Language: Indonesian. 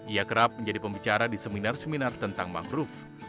ia kerap menjadi pembicara di seminar seminar tentang mangrove